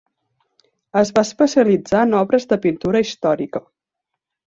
Es va especialitzar en obres de pintura històrica.